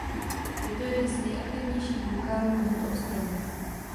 Je to jeden z nejaktivnějších vulkánů tohoto ostrova.